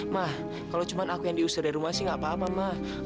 mah kalau cuma aku yang diusir dari rumah sih gak apa apa mah